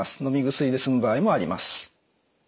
薬で済む場合もあります。